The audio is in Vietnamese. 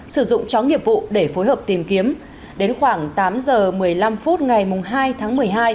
sử dụng chó nghiệp vụ để phối hợp tìm kiếm đến khoảng tám giờ một mươi năm phút ngày hai tháng một mươi hai